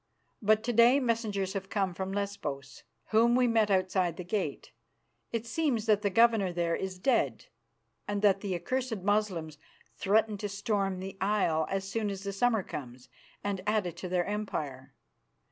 But to day messengers have come from Lesbos, whom we met outside the gates. It seems that the governor there is dead, and that the accursed Moslems threaten to storm the isle as soon as summer comes and add it to their empire.